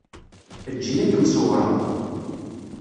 Eǧǧ-iyi ad kem-ṣewwreɣ.